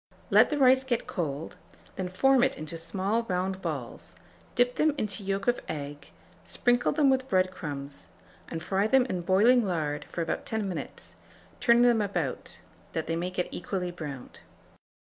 Let the rice get cold; then form it into small round balls, dip them into yolk of egg, sprinkle them with bread crumbs, and fry them in boiling lard for about 10 minutes, turning them about, that they may get equally browned.